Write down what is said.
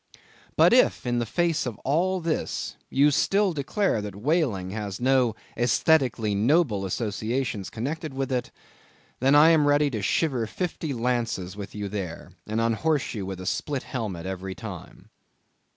But if, in the face of all this, you still declare that whaling has no æsthetically noble associations connected with it, then am I ready to shiver fifty lances with you there, and unhorse you with a split helmet every time.